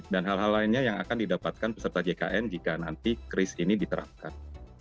dan hal hal lainnya yang akan didapatkan peserta jkn jika nanti kris ini diterapkan